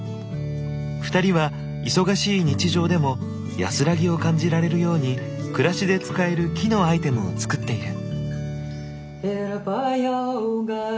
２人は忙しい日常でも安らぎを感じられるように暮らしで使える木のアイテムを作っている。